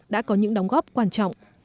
đã có những đóng góp quan trọng